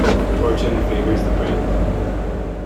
Fortune favours the brave.